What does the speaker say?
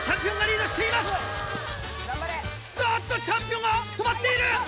チャンピオンが止まっている！